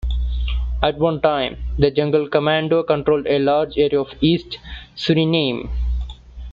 At one time the Jungle Commando controlled a large area in East Suriname.